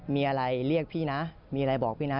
มีอะไรเรียกพี่นะมีอะไรบอกพี่นะ